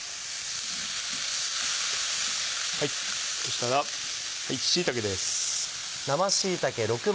そしたら椎茸です。